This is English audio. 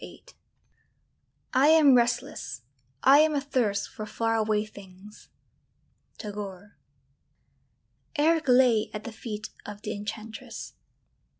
VIII I am restless, I am athirst for far away things. TAGORE. Eric lay at the feet of the enchantress.